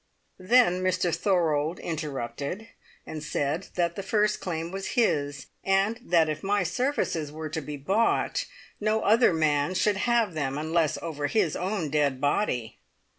Then Mr Thorold interrupted, and said that the first claim was his, and that if my services were to be bought, no other man should have them unless over his own dead body.